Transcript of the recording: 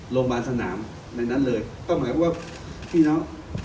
โรงพยาบาลสนามในนั้นเลยก็หมายความว่าพี่น้อง